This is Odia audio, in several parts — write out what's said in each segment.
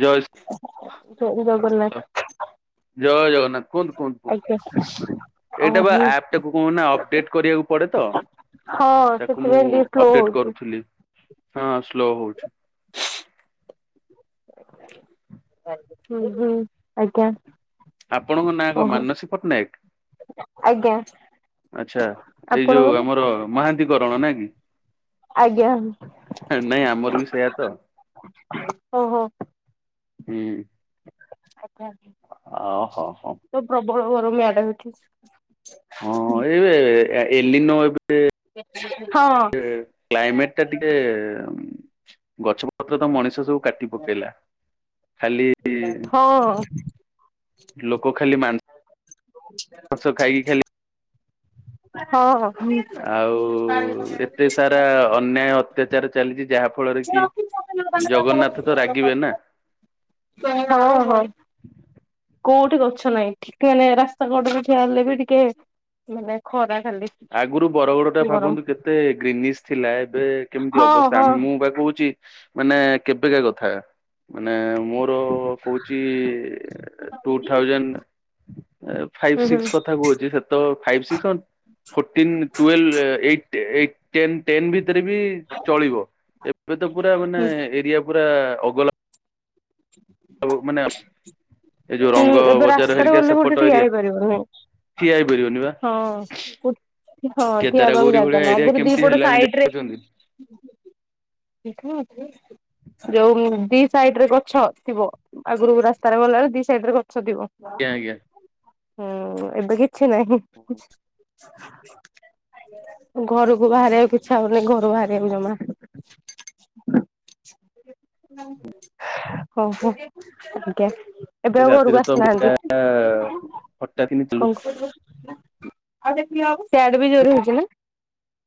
ଜୟ ଜୟ ଶ୍ରୀ ଜଗନ୍ନାଥ। ଜୟ ଜଗନ୍ନାଥ କୁହନ୍ତୁ କୁହନ୍ତୁ ଆଜ୍ଞା କୁହନ୍ତୁ ଏଇଟା ବା ଓହୋ ଆପ୍ ଟାକୁ କଣ ନା ଅପଡେଟ କରିବାକୁ ପଡେ ତ ହଁ ତାକୁ ମୁଁ ସେଥିପାଇଁ ଟିକେ ସ୍ଲୋ ଅପଡେଟ ହଉଛି। କରୁଥିଲି ହଁ ସ୍ଲୋ ହଉଛି। ହୁଁ ହୁଁ ଆଜ୍ଞା। ଆପଣଙ୍କ ନାଁ କଣ ଓହୋ ମାନସୀ ପଟ୍ଟନାୟକ? ଆଜ୍ଞା। ଆଚ୍ଛା ଏଇ ଯୋଉ ଆପଣଙ୍କ ଆମର ମହାନ୍ତି କରଣ ନା କି! ଆଜ୍ଞା ହଁ ନାଇଁ ଆମର ବି ସେଇଆ ତ! ଓହୋ ହୁଁ। ଆଜ୍ଞା ଅ ହଉ ହଉ। ତ ପ୍ରବଳ ଗରମ ଇଆଡ଼େ ହଇଛି। ହଁ ଏବେ ଏ ଏଲିନୋ ଏବେ ହଁ ସେ କ୍ଲାଇମେଟ ଟା ଟିକେ ଗଛ ପତ୍ର ତ ମଣିଷ ସବୁ କାଟି ପକେଇଲା ଖାଲି ହଁ। ଲୋକ ଖାଲି ମାଂସ ମାଂସ ଖାଇକି ଖାଲି ହଁ ହଁ। ଆଉ ଏତେ ସାରା ଅନ୍ୟାୟ ଅତ୍ୟାଚାର ଚାଲିଛି ଯାହା ଫଳରେ କି ଜଗନ୍ନାଥ ତ ରାଗିବେ [unintelligible] ନା। [unintelligible] କୋଉଠି ଗଛ ନାହିଁ ଠିକ ମାନେ ରାସ୍ତା କଡରେଠିଆ ହେଲେ ବି ଟିକେ ମାନେ ଖରା ଖାଲି। ଆଗରୁ ବରଗଡ ଟା ଗରମ ଭାବନ୍ତୁ କେତେ ଗ୍ରୀନି ଥିଲା ଏବେ କେମିତି ହଁ ଅବସ୍ଥା ହଁ ମୁଁ ପା କହୁଛି ମାନେ କେବେକା କଥା? ମାନେ ମୋର କହୁଛି ଟୁ ଥାଉଁଜେଣ୍ଟ ଫାଇଭ ହୁଁ ହୁଁ ସିକ୍ସ କଥା କହୁଛି ସେ ତ ଫାଇଭ ସିକ୍ସ ଫୋର୍ଟିନ୍ ଟୁଲଭ ଏଇ ଏଇ ଟେନ୍ ଟେନ୍ ଭିତରେ ବି ଚଳିବ ଏବେ ତ ପୁରା ମାନେ ହୁଁ। ଏରିଆ ପୁରା ଅଗଲା ହ ଆଉ ମାନେ ଆ କି ଏବେ ରାସ୍ତାରେ ଗଲେ ଗୋଟେ ଠିଆ ହେଇପାରିବନି। ଠିଆ ହେଇପାରିବନି ବା। ହଁ। [inaudible] ହଁ କେଦାର ଠିଆ ହେବାକୁ ଗୌରୀ ଭଳିଆ ଜାଗା ନାହିଁ ଏରିଆ ଆଗରୁ କେମିତି ଦିପଟ ହେଲାଣି ସାଇଡ ରେ ଦେଖୁଛନ୍ତି [unintelligible] ଯୋଉ ଦି ସାଇଡ ରେ ଗଛ ଥିବ ଆଗରୁ ରାସ୍ତାରେ ଗଲା ଦି ସାଇଡ ରେ ଗଛ ଥିବ। ଆଜ୍ଞା ଆଜ୍ଞା। ହୁଁ ଏବେ କିଛି ନାହିଁ। ଘରକୁ ବାହାରିବାକୁ ଇଛା ହଉନି ଘରୁ ବାହାରିବାକୁ ଜମା। ହ ଓହୋ ଆଜ୍ଞା। ଏବେ ଆଉ ରାତିରେ ଘରକୁ ତ ଆସିନାହାନ୍ତି ହଠାତ୍ କିନି ଚାଲୁଥିଲା କଣ କରିବୁ? ଡ ବି ଜୋରରେ ହଉଛି ନା।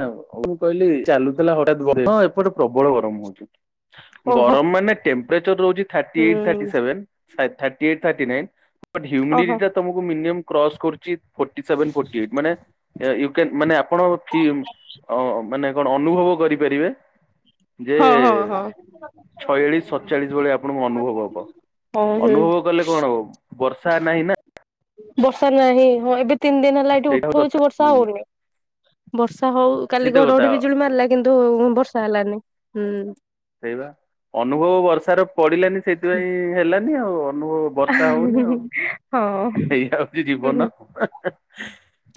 ଉ ମୁଁ କହିଲି ଚାଲୁଥିଲା ହଠତ୍ ଗର ହଁ ଏପଟେ ପ୍ରବଳ ଗରମ। ଓହୋ ଗରମ ମାନେ ଟମ୍ପଚର ରହୁଛି ଥର୍ଟି ଏଇଟି ଥାର୍ଟି ହୁଁ। ସେଭେନେ। [unintelligible] ଫର୍ଟି ସେଭେ ଓହୋ ଫଟି ଏଇଟ୍ ମାନେ ୟୁକେନ ମାନେ ଆପଣ ଥି ମାନେ କଣ ଅନୁଭବ କରିପାରିବେ। ହଁ ହଁ ଯେ ହଁ। ଛୟାଳିଶ ସତଚାଳିଶ ଭଳିଆ ଆପଣଙ୍କୁ ଅନୁଭବ ହବ। ହଁ ହୁଁ ଅନୁଭବ କଲେ କଣ ହବ ବର୍ଷା ନାହିଁ ନା? ବର୍ଷା ନାହିଁ ହଁ ଏବେ ତିନି ଦିନ ହେଲା ଏଠି ସେଇଟା କଥା ଉଠଉଛି ବର୍ଷା ହଉନି ବର୍ଷା ହଉ କାଲି ସେଇତ କଥା ଘଡଘଡି ବିଜୁଳି ମାରିଲା। କିନ୍ତୁ ବର୍ଷା ହେଲାନି ହୁଁ। ସେଇବା ଅନୁଭବ ବର୍ଷାରେ ପଡିଲାନି ସେଥିପାଇଁ ହେଲାନି ଆଉ ଅନୁଭବ ବର୍ଷା ହଉନି ଆଉ ହଁ ଏଇ ହଉଛି ଜୀବନ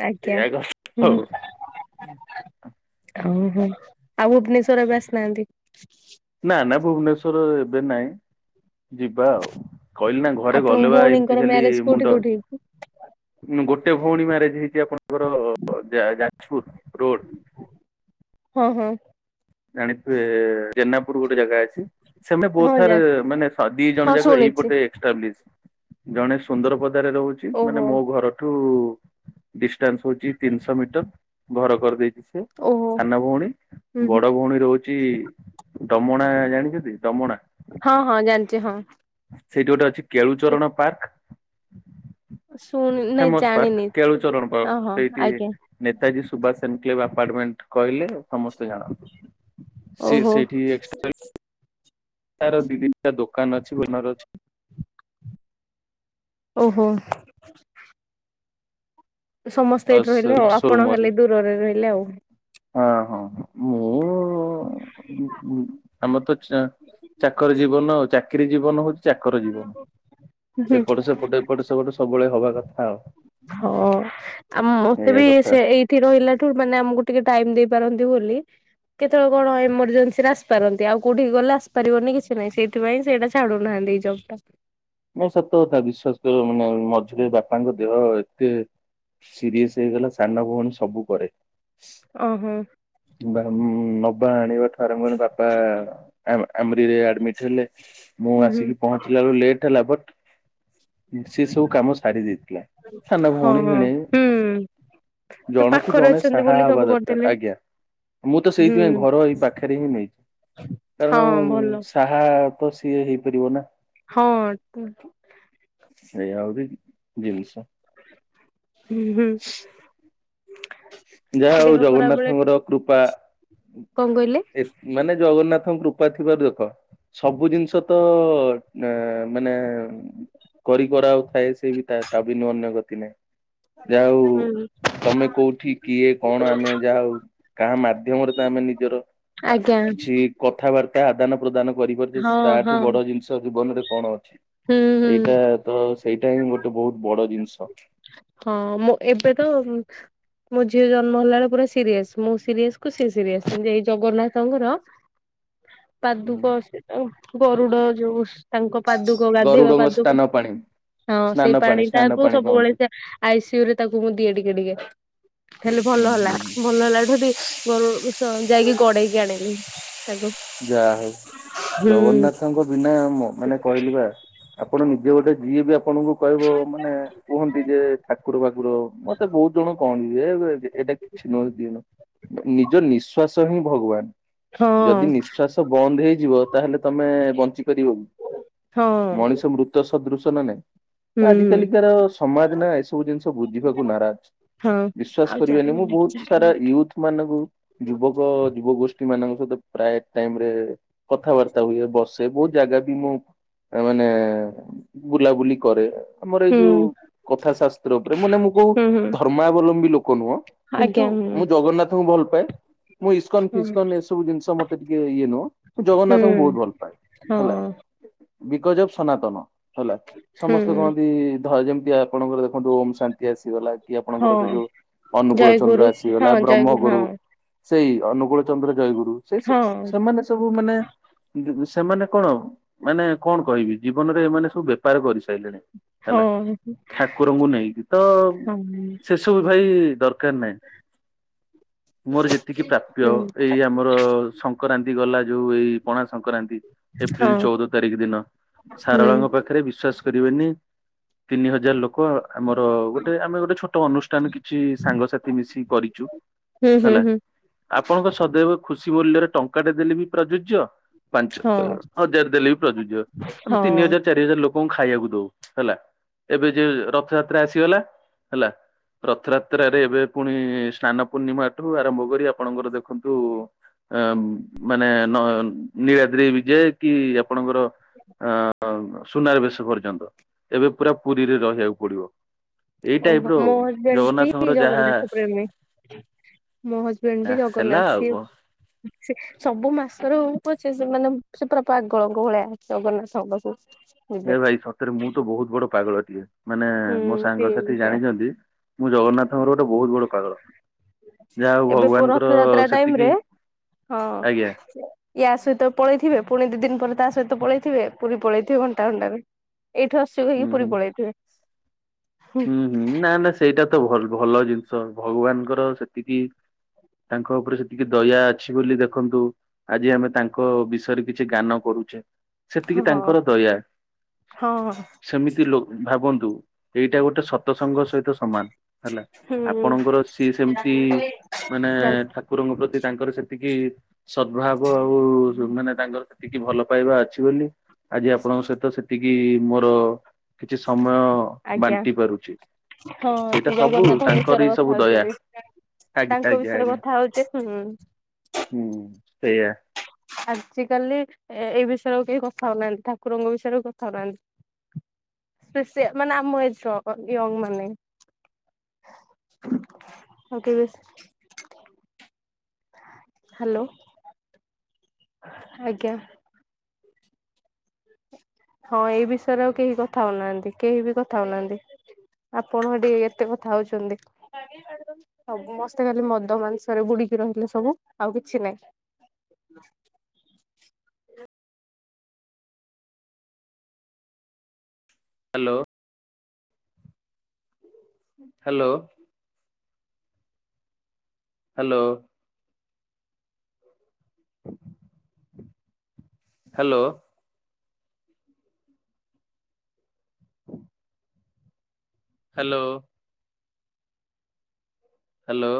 ଆଜ୍ଞା ଏଇଆ କଥା ହୁଁ। ହଉ ଓହୋ ଆଉ ଭୁବନେଶ୍ଵର ବି ଆସିନାହାନ୍ତି? ନା ନା ଭୁବନେଶ୍ଵର ଏବେ ନାଇଁ। ଯିବା ଆଉ କହିଲି ନା ଘରେ ଆପଣଙ୍କ ଗଲେ ବା ଏମିତି ଭଉଣୀଙ୍କର ଖାଲି ମ୍ୟାରେଜ କୋଉଠି ମୁଣ୍ଡ କୋଉଠି ଗୋଟେ ଭଉଣୀ ମ୍ୟାରେଜ ହେଇଛି ଆପଣଙ୍କର ଯାଜପୁର ରୋଡ। ହୁଁ ହୁଁ। ଜାଣିଥିବେ ଜେନାପୁର ଗୋଟେ ଜାଗା ଅଛି? ସେମ ହଁ ବହୁତ ଯା ଥର ମାନେ ଦି ଜଣ ହଁ ଯାକ ଶୁଣିଛି ଏଇପୋଟେ ଜଣେ ସୁନ୍ଦର ପଦରେ ରହୁଛି ଓହୋ ମାନେ ମୋ ଘରଠୁ ଡିଷ୍ଟାନ୍ସ ହଉଛି ତିନିଶହ ମିଟର ଘର କରିଦେଇଛି ସେ ଓହୋ ସାନ ଭଉଣୀ। ହୁଁ ହୁଁ ବଡ ଭଉଣୀ ରହୁଛି ଡମଣା ଜାଣିଛନ୍ତି ଡମଣା? ହଁ ହଁ ଜାଣିଚି ହଁ। ସେଇଠି ଗୋଟେ ଅଛି କେଳୁଚରଣ ପାର୍କ ଶୁଣି ନାଇଁ ଫେମସ ଜାଣିନି ପାର୍କ କେଳୁଚରଣ ପ ଓହୋ ସେଇଠି ଆଜ୍ଞା ନେତାଜୀ ସୁବାସ ଏନକ୍ଲେଭ ଆପାର୍ଟମେଣ୍ଟ କହିଲେ ସମସ୍ତେ ଜାଣନ୍ତି। ସିଏ ଓହୋ ସେଇଠି ଏ ତାର ଦି ଦିନଟା ଦୋକାନ ଅଛି ଓନର ଅଛି। ଓହୋ। ସମସ୍ତେ ଏଇଠି ପ୍ଲସ ରହିଲେ ଆଉ ଶୋରୁମ ଆପଣ ଅଛି ଖାଲି ଦୂରରେ ରହିଲେ ଆଉ। ହଁ ହଁ ମୁଁ ଆମର ତ ଚା ଚାକର ଜୀବନ ଆଉ ଚାକିରୀ ଜୀବନ ହଉଚି ଚାକର ଜୀବନ। ହୁଁ ଏପଟ ସେପଟ ଏପଟ ସେପଟ ସବୁବେଳେ ହବା କଥା ଆଉ। ହଁ ଆ ମତେ ଏଇଆ ବି କଥା ସେ ଏଇ ଠି ରହିଲଠୁ ମାନେ ଆମକୁ ଟିକେ ଟାଇମ ଦେଇପାରନ୍ତି ବୋଲି କେତେବେଳେ କଣ ଏମରଜେନ୍ସି ରେ ଆସି ପାରନ୍ତି ଆଉ କୋଉଠି ଗଲେ ଆସିପାରିବନି କିଛି ନାହିଁ ସେଥିପାଇଁ ସେଇଟା ଛାଡୁନାହାନ୍ତି ଜବ ଟା। ନା ସତ କଥା ବିଶ୍ଵାସ କରିବ ମାନେ ମଝିରେ ବାପାଙ୍କ ଦେହ ଏତେ ସିରିଅସ ହେଇଗଲା ସାନ ଭଉଣୀ ସବୁ କରେ। ଓହୋ। ବା ଉମ ନବା ଆଣିବାଠୁ ଆରମ୍ଭ ବାପା ଆ ଆମ୍ରି ରେ ଆଡମିଟ ହେଲେ ମୁଁ ହୁଁ ହୁଁ ଆସିକି ପହଞ୍ଚିଲା ବେଳୁ ଲେଟ ହେଲା ବଟ୍ ସେ ସବୁ କାମ ସାରି ଦେଇଥିଲା। ସାନ ହଁ ଭଉଣୀ ହଁ ଭିଣେଇ ହୁଁ ଜଣକୁ ପାଖରେ ଜଣେ ଅଛନ୍ତି ସାହା ବୋଲି ହବା ସବୁ ଦରକାର। କରିଦେଲେ। ଆଜ୍ଞା। ମୁଁ ତ ହୁଁ ସେଇଥିପାଇଁ ଘର ଏଇ ପାଖରେ ହିଁ ନେଇଚି। କାରଣ ହଁ ଭଲ ସା ହା ତ ସିଏ ହେଇପାରିବ ନା। ହଁ। ଏଇଆ ହୋଉଚି ଦିିନଷ। ହୁଁ ହୁଁ। ଯାହା ହଉ ଦେହ ଖରାପ ବେଳେ ଜଗନ୍ନାଥଙ୍କର କୃପା କଣ କହିଲେ? ଏ ମାନେ ଜଗନ୍ନାଥଙ୍କ କୃପା ଥିବାରୁ ଦେଖ ସବୁ ଜିନିଷ ତ [unintelligible] ମାନେ କରି କରାଉ ଥାଏ ସେହି ତା ବିନୁ ଅନ୍ୟ ଗତି ନାହିଁ। ଯା ହୋଉ ହୁଁ ତମେ କୋଉଠି କିଏ କଣ ଆମେ ଯାହା ହଉ କାହା ମାଧ୍ୟମରେ ତ ଆମେ ନିଜର ଆଜ୍ଞା କିଛି କଥାବାର ତା ଆଦାନ ପ୍ରଦାନ କରିପାରୁଛେ ହଁ ତାଠୁ ହଁ ବଡ ଜିନିଷ ଜୀବନରେ କଣ ଅଛି। ହୁଁ ହୁଁ ଏଇଟା ତ ସେଇଟା ହିଁ ଗୋଟେ ବହୁତ ବଡ ଜିନିଷ। ହଁ ମୁଁ ଏବେ ତ ମୋ ଝିଅ ଜନ୍ମ ହେଲା ବେଳେ ପୁରା ସିରିଏସ ମୁଁ ସିରିଏସ କୁ ସିଏ ସିରିଏସ [unintelligible] ଏଇ ଜଗନ୍ନାଥଙ୍କର [inaudible] ହୁଁ। ପାଦୁକ ସେ ଉ ଗରୁଡ ଯୋଉ ତାଙ୍କ ପାଦୁକ ଗାଧେଇବା ଗରୁଡଙ୍କ ପାଦୁକ ସ୍ନାନ ପାଣି ହଁ ସ୍ନାନ ସେଇ ପାଣି ପାଣିଟା ସ୍ନାନ କୁ ପାଣି କହନ୍ତି। ସବୁବେଳେ ଆଇ ସି ୟୁ ରେ ତାକୁ ମୁଁ ଦିଏ ଟିକେ ଟିକେ। ହେଲେ ଭଲ ହେଲା। ଭଲ ହେଲା ଠୁ ଟି ଗରୁ ଉ ସ ଯାଇକି ଗଡେଇକି ଆଣିଲି ତାକୁ। ଯା ହଉ ହୁଁ ଜଗନ୍ନାଥଙ୍କ ବିନା ମ ମାନେ କହିଲେ ବା ଆପଣ ନିଜେ ଗୋଟେ ଯିଏ ବି ଆପଣଙ୍କୁ କହିବ ମାନେ କୁହନ୍ତି ଯେ ଠାକୁର ବାକୁର ମତେ ବହୁତ ଜଣ କହନ୍ତି ଏ ବେ ଏଇଟା କିଛି ନୁହେଁ [unintelligible] ନିଜ ନିଶ୍ଵାସ ହିଁ ହଁ ଭଗବାନ ଯଦି ନିଶ୍ଵାସ ବନ୍ଦ ହେଇଯିବ ତାହେଲେ ତମେ ବଞ୍ଚି ପାରାରିବ ହଁ ମଣିଷ ମୃତ ସଦୃଶ ନା ନାଇଁ ହୁଁ ଆଜିକାଲି କାର ସମାଜ ନା ଏସବୁ ଜିନିଷ ବୁଝିବାକୁ ନାରାଜ। ହଁ ବିଶ୍ଵାସ କରିବନି ମୁଁ ବହୁତ ସାରା ୟୁଥ ମାନଙ୍କୁ ଯୁବକ ଯୁବ ଗୋଷ୍ଠୀ ମାନଙ୍କ ସହିତ ପ୍ରାୟ ଟାଇମରେ କଥାବାର୍ତ୍ତା ହୁଏ ବସେ ବହୁତ ଜାଗା ବି ମୁଁ ମାନେ ବୁଲାବୁଲି କରେ ଆମର ଏଇ ହୁଁ ଯୋଉ କଥା ଶାସ୍ତ୍ର ଉପରେ ମାନେ ମୁଁ କହୁ ହୁଁ ହୁଁ ଧର୍ମାବଲମ୍ବୀ ଲୋକ ନୁହଁ। କିନ୍ତୁ ଆଜ୍ଞା ହୁଁ ମୁଁ ଜଗନ୍ନାଥଙ୍କୁ ଭଲ ପାଏ, ମୁଁ ଇସ୍କନ ହଁ ଫିସ୍କନ ଏସବୁ ଜିନିଷ ମୋ ଇଏ ନୁହଁ ମୁଁ ହୁଁ ଜଗନ୍ନାଥଙ୍କୁ ବହୁତ ଭଲ ପାଏ ହଁ ହେଲା। Because of Sanatan. ହେଲା ସମସ୍ତେ ହୁଁ କହନ୍ତି ଧର ଯେମିତି ଆପଣଙ୍କର ଦେଖନ୍ତୁ ଓମ୍ ଶାନ୍ତି ଆସିଗଲା। କି ଆପଣଙ୍କର ସେ ହଁ ଯୋଉ ଅନୁକୂଳ ଚନ୍ଦ୍ର ଜୟଗୁରୁ ଆସିଗଲା, ହଁ ଜୟଗୁରୁ ବ୍ରହ୍ମଗୁରୁ। ହଁ ସେଇ ଅନୁଗୂଳୁ ଚନ୍ଦ୍ର ଜୟଗୁରୁ ସେଇ ସବୁ ହଁ ସେମାନେ ସବୁ ମାନେ ସେମାନେ କଣ ମାନେ କଣ କହିବି ଜୀବନରେ ଏମାନେ ସବୁ ବେପାର କରିସାରିଲେଣି। ହେଲା ହଁ। ଠାକୁରଙ୍କୁ ନେଇକି ତ ହଁ ସେସବୁ ଭାଇ ଦରକାର ନାହିଁ। ମୋର ଯେତିକି ପ୍ରାପ୍ୟ ହୁଁ ଏଇ ଆମର ସଂକ୍ରାନ୍ତି ଗଲା ଯୋଉ ଏଇ ପଣା ସଂକ୍ରାନ୍ତି। ଏପ୍ରିଲ ହଁ ଚଉଦ ତାରିଖ ଦିନ ହୁଁ ସାରଳାଙ୍କ ପାଖରେ ବିଶ୍ୱାସ କରିବେନି। ତିନି ହଜାର ଲୋକ ଆମର ଗୋଟେ ଆମେ ଗୋଟେ ଛୋଟ ଅନୁଷ୍ଠାନ କିଛି ସାଙ୍ଗସାଥି ମିଶି କରିଚୁ। ହୁଁ ହୁଁ ହୁଁ। ଆପଣଙ୍କ ସଦୈବ ଖୁସି ବୋଲି ଧରେ ଟଙ୍କାଟେ ଦେଲେ ବି ପ୍ରଯୁଜ୍ୟ। ପାଞ୍ଚ ହଁ ହଜାର ଦେଲେ ବି ପ୍ରଯୁଜ୍ୟ, ଆମେ ତିନି ହଁ ହଜାର ଚାରି ହଜାର ଲୋକଙ୍କୁ ଖାଇବାକୁ ଦଉ ହେଲା। ଏବେ ଯେ ରଥଯାତ୍ରା ଆସିଗଲା ହେଲା। ରଥଯାତ୍ରାରେ ଏବେ ପୁଣି ସ୍ନାନ ପୂର୍ଣ୍ଣିମାଠୁ ଆରମ୍ଭ କରି ଆପଣଙ୍କର ଦେଖନ୍ତୁ ଅ ମାନେ ନ ନୀଳାଦ୍ରି ବିଜେ କି ଆପଣଙ୍କର ଅ ସୁନାରବେଶ ପର୍ଯ୍ୟନ୍ତ ଏବେ ପୁରା ପୁରୀରେ ରହିବାକୁ ପଡିବ। ଏଇ ଓ ଟାଇପ ର ଆଉ। ମୋ ହଜବେଣ୍ଡ ବି ଜଗନ୍ନାଥଙ୍କର ଯାହା ଜଗନ୍ନାଥପ୍ରେମୀ। ମୋ ହଜବେଣ୍ଡ ବି ହେଲା ଜଗନ୍ନାଥ ଆଉ ସିଏ କଣ। ସବୁ ମାସର ହଉପଛେ ମାନେ ସେ ପୁରା ପାଗଳଙ୍କ ଭଳିଆ ଅଛି ଜଗନ୍ନାଥ ଙ୍କ ପାଖକୁ ଯିବେ। ହେ ଭାଇ ସତରେ ମୁଁ ତ ବହୁତ ବଡ ପାଗଳଟିଏ। ମାନେ ହୁଁ ମୋ ସେଇ ସାଙ୍ଗସାଥି ସେୟା। ଜାଣିଛନ୍ତି ମୁଁ ଜଗନ୍ନାଥଙ୍କର ଗୋଟେ ବହୁତ ବଡ ପାଗଳ। ଯାହା ହଉ ଏବେ ପୁଅ ଭଗବାନଙ୍କର ରଥଯାତ୍ରା ଟାଇମ ରେ ସେତିକି ହଁ ଆଜ୍ଞା। ୟା ସହିତ ପଳେଇଥିବେ ପୁଣି ଦି ଦିନ ପରେ ତା ସହିତ ପଳେଇଥିବେ ପୁରୀ ପଳେଇଥିବେ ଘଣ୍ଟା ଘଣ୍ଟାରେ। ଏଇଠୁ ଆସୁଛି କହିକି ହୁଁ ପୁରୀ ହୁଁ ପଳେଇଥିବେ। ହୁଁ ହୁଁ ନା ନା ସେଇଟା ତ ଭଲ ଭଲ ଜିନିଷ ଭଗବାନଙ୍କର ସେତିକି ତାଙ୍କ ଉପରେ ସେତିକି ଦୟା ଅଛି ବୋଲି ଦେଖନ୍ତୁ। ଆଜି ଆମେ ତାଙ୍କ ବିଷୟରେ କିଛି ଜ୍ଞାନ କରୁଛେ। ସେତିକି ହଁ ତାଙ୍କର ଦୟା। ହଁ ସେମିତି ଲ ଭାବନ୍ତୁ ଏଇଟା ଗୋଟେ ସତସଙ୍ଗ ସହିତ ସମାନ ହେଲା ଆପଣଙ୍କର ସିଏ ସେମିତି ମାନେ ଯାଉ ଠାକୁ କୁରଙ୍କ ପ୍ରତି ତାଙ୍କର ସେତିକି ସଦ୍ଭାବ ଆଉ ମାନେ ତାଙ୍କର ସେତିକି ଭଲ ପାଇବା ଅଛି ବୋଲି। ଆଜି ଆପଣଙ୍କ ସହିତ ସେତିକି ମୋର କିଛି ସମୟ ଆଜ୍ଞା ବାଣ୍ଟି ପାରୁଛି। ହଁ ସେଇଟା ସେ ସବୁ ଜଗନ୍ନାଥ ତାଙ୍କର ବିଷୟରେ ହିଁ ସବୁ କଥା ହଉଛି ଦୟା ଏବେ। ଆଜ୍ଞା ତାଙ୍କ ଆଜ୍ଞା ବିଷୟରେ ଆଜ୍ଞା କଥା ହଉଚେ। [unintelligible] ହୁଁ ସେଇଆ। ଆଜି କାଲି ଏଇ ବିଷୟରେ ଆଉ କେହି କଥା ହଉନାହାନ୍ତି ଠାକୁରଙ୍କ ବିଷୟରେ କଥା ହଉନାହାନ୍ତି। [unintelligible] ମାନେ ଆମ ଏଜ୍ ର ୟଙ୍ଗ ମାନେ। ଆଉ କେହି ବେଶ୍ ହାଲୋ। ଆଜ୍ଞା। ହଁ ଏଇ ବିଷୟରେ ଆଉ କେହି କଥା ହଉନାହାନ୍ତି। କେହି ବି କଥା ହଉନାହାନ୍ତି। ଆପଣ ଏଠି ଏତେ କଥା ହଉଚନ୍ତି। ସମସ୍ତେ ଖାଲି ମଦ ମାଂସରେ ବୁଡିକି ରହିଲେ ସବୁ ଆଉ କିଛି ନାହିଁ। ହଁ hello. Hello. Hello. [inaudible] Hello. Hello. Hello.